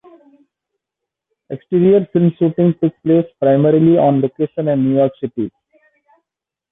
Exterior film shooting took place primarily on location in New York City.